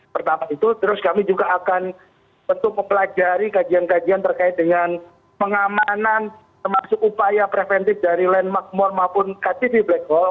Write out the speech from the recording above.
pertama itu terus kami juga akan tentu mempelajari kajian kajian terkait dengan pengamanan termasuk upaya preventif dari landmark mall maupun ktp black wall